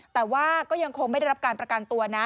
แต่ว่าก็ยังคงไม่ได้รับการประกันตัวนะ